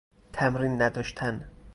تمرین نداشتن